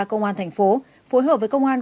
công an tp hcm phối hợp với công an